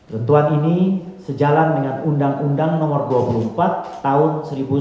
tentuan ini sejalan dengan undang undang nomor dua puluh empat tahun seribu sembilan ratus sembilan puluh